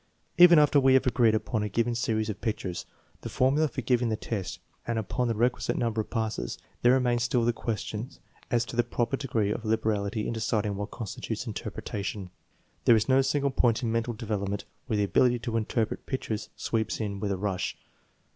Even after we have agreed upon a given series of pictures, the formula for giving the test, and upon the requisite number of passes, there remains still the question as to the proper degree of liberality in deciding what constitutes interpretation. There is no single point in mental develop ment where the " ability to interpret pictures " sweeps in with a rush.